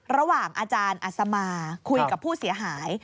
ระหว่างอาจารย์อัศมาคุยกับผู้เสียหาย